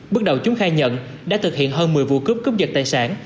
bước đầu chúng khai nhận đã thực hiện hơn một mươi vụ cướp cướp giật tài sản